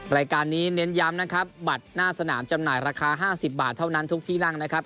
รายการนี้เน้นย้ำนะครับบัตรหน้าสนามจำหน่ายราคา๕๐บาทเท่านั้นทุกที่นั่งนะครับ